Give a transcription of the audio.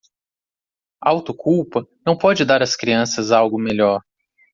Auto-culpa não pode dar às crianças algo melhor